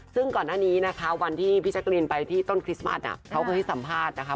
ซึ่งก่อนหน้านี้นะคะวันที่พี่แจ๊กรีนไปที่ต้นคริสต์มัสเขาเคยให้สัมภาษณ์นะคะ